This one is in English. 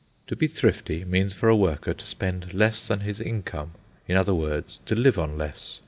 To be thrifty means for a worker to spend less than his income—in other words, to live on less.